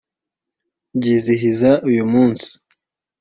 byizihiza uyu munsi